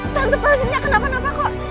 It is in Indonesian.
tante prositnya kenapa kenapa kok